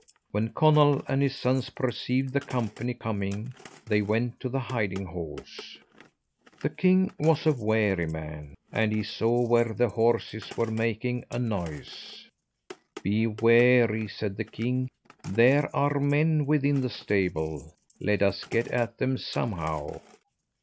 When Conall and his sons perceived the company coming they went to the hiding holes. The king was a wary man, and he saw where the horses were making a noise. "Be wary," said the king, "there are men within the stable, let us get at them somehow."